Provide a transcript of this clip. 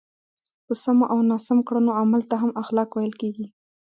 په سمو او ناسم کړنو عمل ته هم اخلاق ویل کېږي.